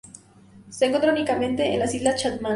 Se encuentra únicamente en las islas Chatham.